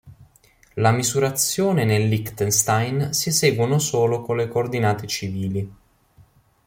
La misurazione nel Liechtenstein si eseguono solo con le "coordinate civili".